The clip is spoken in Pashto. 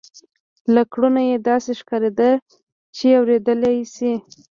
له کړنو یې داسې ښکارېده چې اورېدلای شي